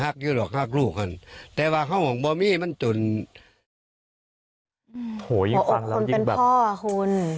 โหยิ่งฟังแล้วก็ยิ่งแบบออกคนเป็นพ่อ่ะคุณ